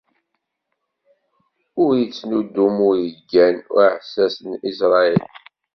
Ur ittnudum ur iggan uɛessas n Isṛayil.